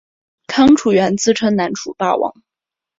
康楚元自称南楚霸王。